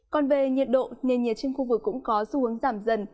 còn về nhiệt độ nền nhiệt trên khu vực cũng có xu hướng giảm dần